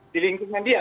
di lingkungan dia